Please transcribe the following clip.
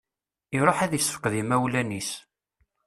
Iruḥ ad issefqed imawlan-is.